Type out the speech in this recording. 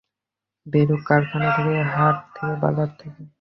বেরুক কারখানা থেকে, হাট থেকে, বাজার থেকে।